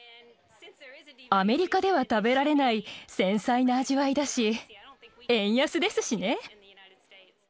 アメリカでは食べられない繊細な味わいだし、円安ですしね。